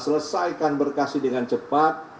selesaikan berkasi dengan cepat